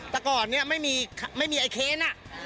แต่ก่อนนี้ไม่มีไอ้เคน